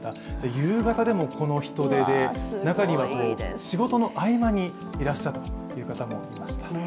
夕方でもこの人出で、中には仕事の合間にいらっしゃったという方もいました。